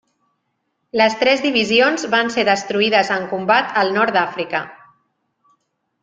Les tres divisions van ser destruïdes en combat al nord d'Àfrica.